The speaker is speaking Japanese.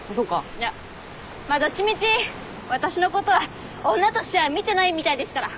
いやまあどっちみち私のことは女としては見てないみたいですから。